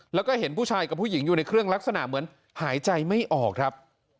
แล้วก็เห็นผู้ชายกับผู้หญิงอยู่ในเครื่องลักษณะเหมือนหายใจไม่ออกครับ